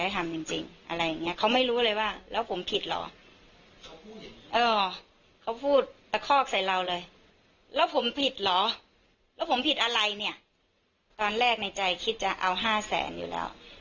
ตอนแรกในใจคิดจะเอา๕แสนอยู่แล้ว